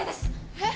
えっ？